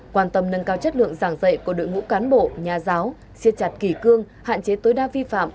quan tâm nâng cao chất lượng giảng dạy của đội ngũ cán bộ nhà giáo siết chặt kỳ cương hạn chế tối đa vi phạm